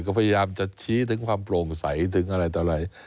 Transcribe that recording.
ก็พยายามจะชี้ถึงความโปร่งใสถึงอะไรต่ออะไร